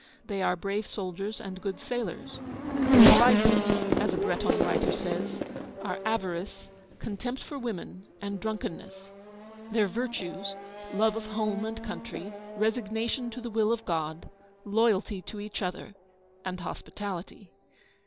They are brave soldiers and good sailors. 'Their vices,' as a Breton writer says, 'are avarice, contempt for women, and drunkenness; their virtues, love of home and country, resignation to the will of God, loyalty to each other, and hospitality.'